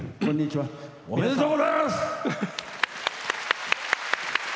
おめでとうございます！